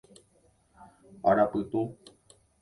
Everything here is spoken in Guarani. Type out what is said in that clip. Arapytu.